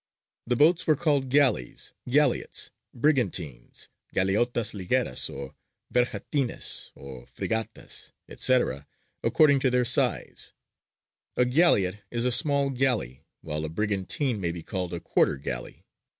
The boats were called galleys, galleots, brigantines ("galeotas ligeras o vergãtines," or frigatas), &c., according to their size: a galleot is a small galley, while a brigantine may be called a quarter galley.